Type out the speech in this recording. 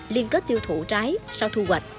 liên kết tiêu thụ trái sau thu hoạch